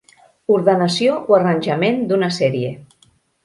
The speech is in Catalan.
Ordenació o arranjament d'una sèrie.